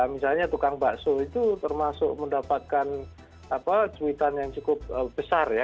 misalnya tukang bakso itu termasuk mendapatkan cuitan yang cukup besar ya